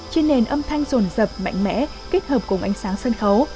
trên nền âm thanh rồn rập mạnh mẽ kết hợp cùng ánh sáng sân khấu